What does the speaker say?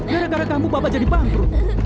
gara gara kamu bapak jadi bangkrut